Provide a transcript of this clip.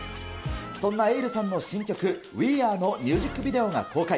そんなエイルさんの新曲、ウィ・アーのミュージックビデオが公開。